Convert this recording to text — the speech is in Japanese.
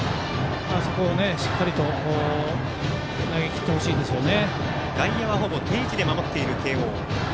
そこをしっかりと投げきってほしいですよね。